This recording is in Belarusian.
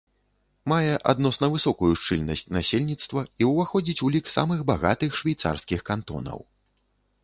Мае адносна высокую шчыльнасць насельніцтва і ўваходзіць у лік самых багатых швейцарскіх кантонаў.